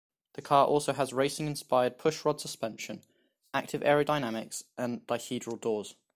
The car also has racing inspired pushrod suspension, active aerodynamics, and dihedral doors.